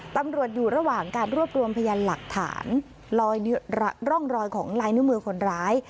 ตำรวจอยู่ระหว่างการรวบรวมพยานหลักฐานร่องรอยของลายนิ้วมือคนร้าย